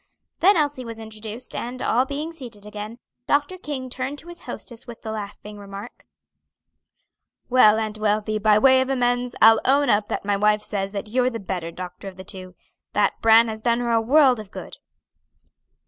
Then Elsie was introduced, and, all being seated again, Dr. King turned to his hostess with the laughing remark, "Well, Aunt Wealthy, by way of amends, I'll own up that my wife says that you're the better doctor of the two. That bran has done her a world of good."